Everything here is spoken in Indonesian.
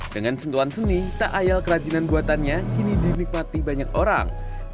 dengan sentuhan seni tak ayal kerajinan buatannya kini dinikmati banyak orang